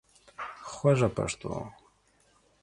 خوږه پښتو